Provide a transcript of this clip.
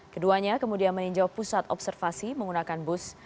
keduanya kemudian meninjau pusat observasi menggunakan bus